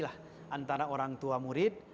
antara orang tua murid